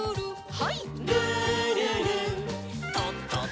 はい。